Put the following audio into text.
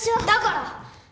だから！